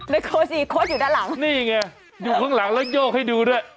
โค้ชีโค้ดอยู่ด้านหลังนี่ไงอยู่ข้างหลังแล้วโยกให้ดูด้วย